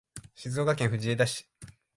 静岡県藤枝市